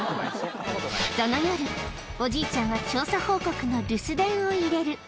その夜、おじいちゃんは調査報告の留守電を入れる。